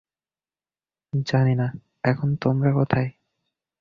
জানি না, এখন তোমরা কোথায়।